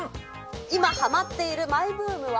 今、はまっているマイブームは？